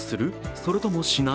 それともしない？